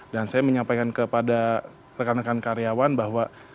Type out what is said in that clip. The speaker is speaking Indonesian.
dan saya menyampaikan kepada rekan rekan karyawan bahwa